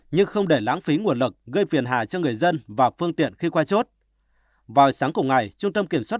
nhưng không để lãng phí nguồn lực gây phiền hà cho người dân và phương tiện khi qua chốt